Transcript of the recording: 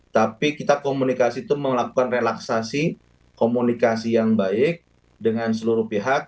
tapi kita komunikasi itu melakukan relaksasi komunikasi yang baik dengan seluruh pihak